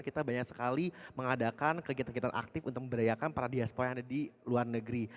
kita banyak sekali mengadakan kegiatan kegiatan aktif untuk memberdayakan para diaspora yang ada di luar negeri